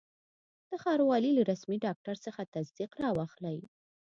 د ښاروالي له رسمي ډاکټر څخه تصدیق را واخلئ.